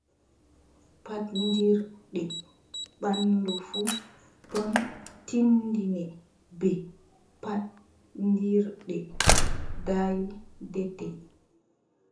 Paddirɗe ɓanndu fuu ɗon tinndine bee : Paddirɗe daydetee.